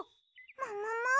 ももも？